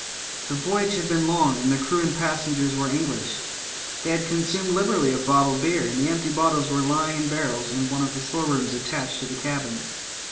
The voyage had been long and the crew and pas sengers were English ; they had consumed liberally of bottled beer, and the empty bottles were lying in barrels in one of the store rooms attached to the cabin.